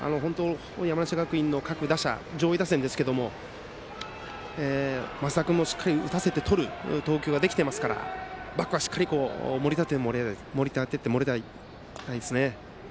山梨学院は各打者、上位打線ですけれども升田君もしっかり打たせてとる投球ができてますからバックはしっかり盛り立ててもらいたいですね。